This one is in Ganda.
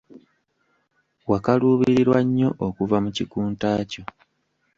Wakaluubirirwa nnyo okuva mu kikunta kyo.